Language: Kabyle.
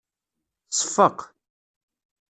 Tseffeq.